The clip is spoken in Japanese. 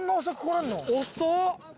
遅っ。